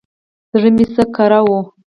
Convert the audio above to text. زړه مې ځکه کره و.